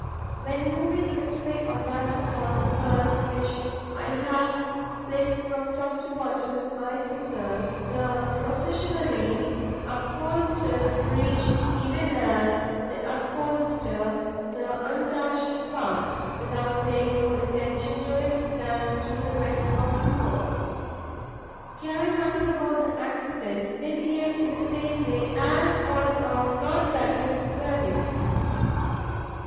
When moving this way or that upon the purse which I have split from top to bottom with my scissors, the Processionaries upholster the breach even as they upholster the untouched part, without paying more attention to it than to the rest of the wall. Caring nothing about the accident, they behave in the same way as on a non gutted dwelling.